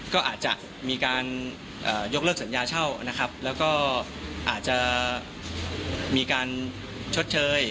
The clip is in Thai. ก็อาจจะมีการยกเลิกสัญญาเช่านะครับแล้วก็อาจจะมีการชดเชย